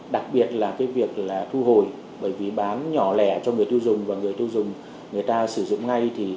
đặc biệt là cái việc là thu hồi bởi vì bán nhỏ lẻ cho người tiêu dùng và người tiêu dùng người ta sử dụng ngay